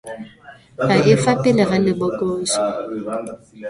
A e fa pele ga lebokoso?